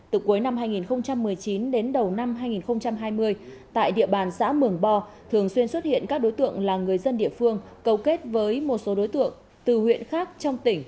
từ cuối năm hai nghìn một mươi chín đến đầu năm hai nghìn hai mươi tại địa bàn xã mường bo thường xuyên xuất hiện các đối tượng là người dân địa phương cầu kết với một số đối tượng từ huyện khác trong tỉnh